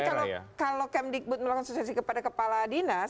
betul jadi kalau kemdikbud melakukan sosialisasi kepada kepala dinas